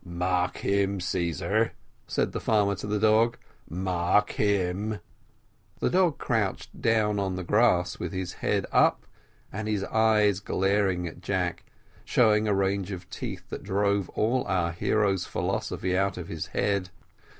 "Mark him, Caesar," said the farmer to the dog, "mark him." The dog crouched down on the grass, with his head up, and eyes glaring at Jack, showing a range of teeth, that drove all our hero's philosophy out of his head.